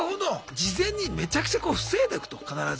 事前にめちゃくちゃこう防いでおくと必ず。